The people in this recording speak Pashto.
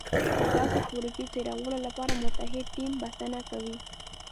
د داسې پروژو څېړلو لپاره متعهد ټیم بسنه کوي.